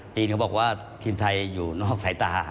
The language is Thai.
เขาบอกว่าทีมไทยอยู่นอกสายตา